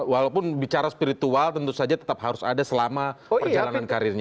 walaupun bicara spiritual tentu saja tetap harus ada selama perjalanan karirnya